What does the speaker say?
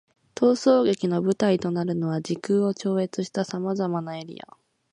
逃走劇の舞台となるのは、時空を超越した様々なエリア。